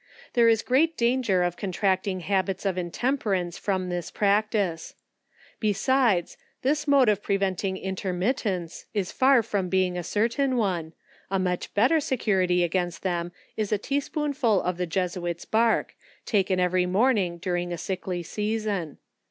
There is great danger of con tracting habits of intemperance from this practice. Be sides, this mode of preventing intermittents, is far from being a certain one. A much better security against them, is a teaspoonful of the Jesuits bark, taken every morning during a sickly season.